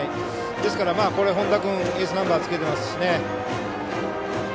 ですから本田君エースナンバーつけてますからね。